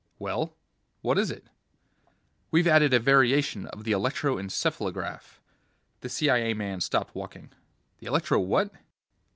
"Well, what is it?" "We've added a variation of the electro encephalograph ..." The CIA man stopped walking. "The electro what?"